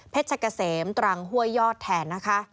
เพชรกะเสมตรังห้วยยอดแทน